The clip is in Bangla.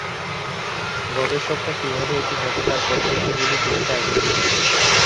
গবেষকরা কীভাবে এটি ঘটে তার পদ্ধতিগুলি বুঝতে আগ্রহী।